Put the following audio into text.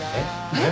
えっ？